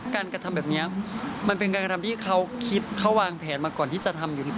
กระทำแบบนี้มันเป็นการกระทำที่เขาคิดเขาวางแผนมาก่อนที่จะทำอยู่หรือเปล่า